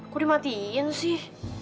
kok dimatiin sih